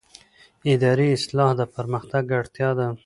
اداري اصلاح د پرمختګ اړتیا ده